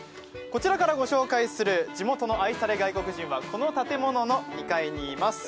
こちらから御紹介する地元の愛され外国人はこの建物の２階にいます。